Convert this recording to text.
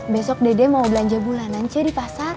besok dede mau belanja bulanan ce di pasar